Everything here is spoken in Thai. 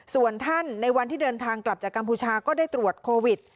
ส่วนท่านในวันที่เดินทางกลับจากกัมพูชาก็ได้ตรวจโควิด